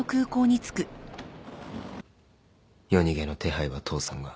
夜逃げの手配は父さんが。